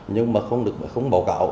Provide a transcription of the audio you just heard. nhưng mà không bảo cạo